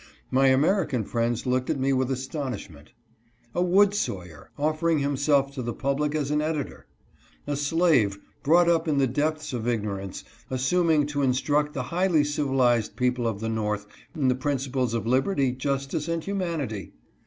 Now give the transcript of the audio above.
My Ameri can friends looked at me with astonishment. " A wood sawyer" offering himself to the public as an editor! A slave, brought up in the depths of ignorance, assuming to instruct the highly civilized people of the north in the principles of liberty, justice, and humanity